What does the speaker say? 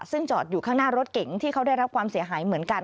ซึ่งจอดอยู่ข้างหน้ารถเก๋งที่เขาได้รับความเสียหายเหมือนกัน